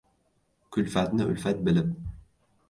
Kulfatni ulfat bilib